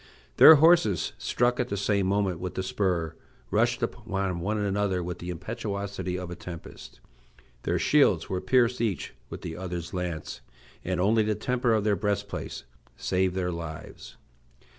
Their horses, struck at the same moment with the spur, rushed upon one another with the impetuosity of a tempest. Their shields were pierced each with the other's lance, and only the temper of their breastplates saved their lives.